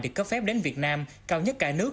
được cấp phép đến việt nam cao nhất cả nước